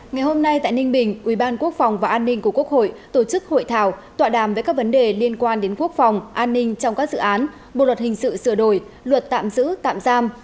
ngày hôm nay tại ninh bình ubnd và an ninh của quốc hội tổ chức hội thảo tọa đàm về các vấn đề liên quan đến quốc phòng an ninh trong các dự án bộ luật hình sự sửa đổi luật tạm giữ tạm giam